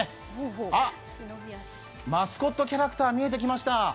あっ、マスコットキャラクター見えてきました。